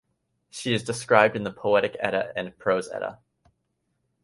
She is described in the "Poetic Edda" and "Prose Edda".